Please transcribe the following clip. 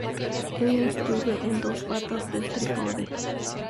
Estuve en dos patas del trípode.